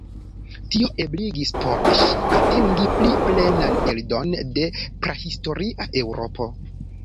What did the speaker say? Tio ebligis por ŝi atingi pli plenan bildon de prahistoria Eŭropo.